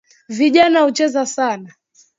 Vijana hucheza sana